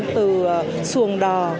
từ xuồng đò